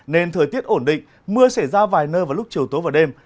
nên thời tiết ổn định mưa xảy ra vài nơi vào lúc chiều tối và đêm